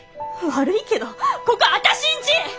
悪いけどここあたしんち！